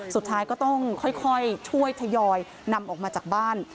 สุดท้ายก็ต้องค่อยช่วยทยอยนำออกมาจากบ้าน